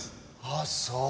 ああそう。